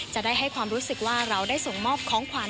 จะได้ให้ความรู้สึกว่าเราได้ส่งมอบของขวัญ